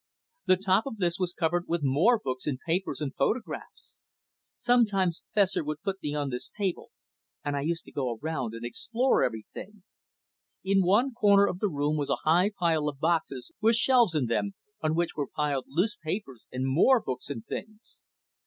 The top of this was covered with more books and papers and photographs. Sometimes Fessor would put me on this table, and I used to go around and explore everything. In one corner of the room was a high pile of boxes, with shelves in them, on which were piled loose papers and more books and things.